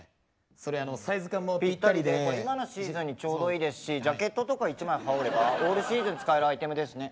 これ今のシーズンにちょうどいいですしジャケットとか一枚羽織ればオールシーズン使えるアイテムですね。